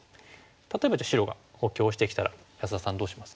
例えばじゃあ白が補強してきたら安田さんどうしますか？